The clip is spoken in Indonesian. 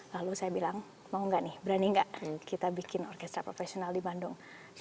lalu saya bilang mau nggak nih berani enggak kita bikin orkestra profesional di bandung